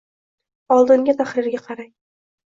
Oldingi tahrirga qarang.